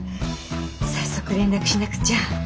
早速連絡しなくちゃ。